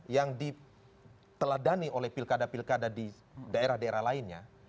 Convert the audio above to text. yang diteladani oleh pilkada pilkada di daerah daerah lainnya